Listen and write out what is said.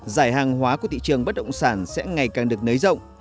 giải hàng hóa của thị trường bất động sản sẽ ngày càng được nới rộng